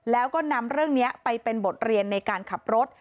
แล้วก็นำเรื่องนี้ไปเป็นบทเรียนในการขับรถ